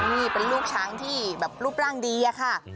นี่เป็นลูกช้างที่แบบรูปร่างดีอะค่ะ